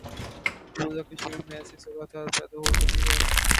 مقبوضہ کشمیر میں ایسی صورتحال پیدا ہو چکی ہے۔